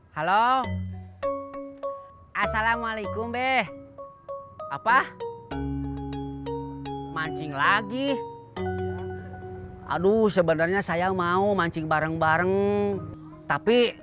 halo assalamualaikum deh apa mancing lagi aduh sebenarnya saya mau mancing bareng bareng tapi